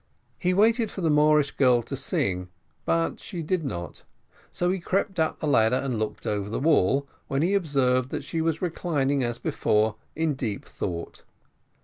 He waited for the Moorish girl to sing, but she did not so he crept up the ladder and looked over the wall when he observed that she was reclining, as before, in deep thought.